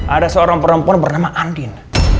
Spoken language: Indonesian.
ada seorang perempuan bernama andin